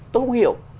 tôi không hiểu